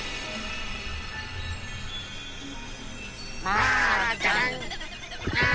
マーちゃん。